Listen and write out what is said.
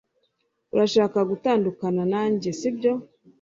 Urashaka gutandukana nanjye sibyo?